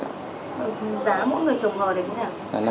giá mỗi người trồng hờ là thế nào